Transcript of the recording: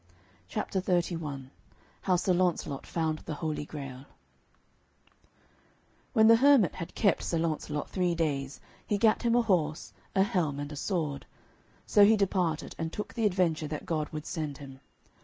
CHAPTER XXXI HOW SIR LAUNCELOT FOUND THE HOLY GRAIL When the hermit had kept Sir Launcelot three days, he gat him a horse, a helm, and a sword. So he departed, and took the adventure that God would send him.